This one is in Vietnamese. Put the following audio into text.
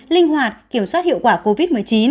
linh hoạt kiểm soát hiệu quả covid một mươi chín